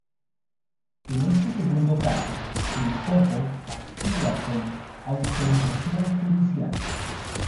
En este segundo caso, el topo actúa con autorización judicial.